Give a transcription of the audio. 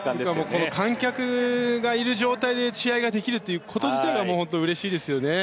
観客がいる状態で試合ができること自体が本当にうれしいですよね。